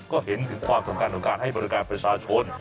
ก็เห็นถึงความสำคัญของการให้บริการประชาชน